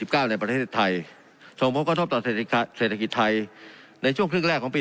เก้าในประเทศไทยส่งผลกระทบต่อเศรษฐกิจเศรษฐกิจไทยในช่วงครึ่งแรกของปี